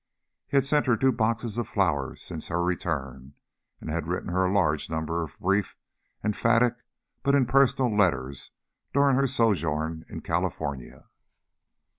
He had sent her two boxes of flowers since her return, and had written her a large number of brief, emphatic, but impersonal letters during her sojourn in California.